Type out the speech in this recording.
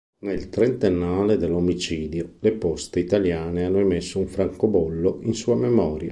Nel trentennale dell'omicidio le Poste italiane hanno emesso un francobollo in sua memoria.